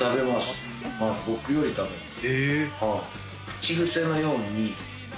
僕より食べます。